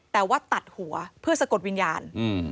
แต่ว่าตัดหัวเพื่อสะกดวิญญาณ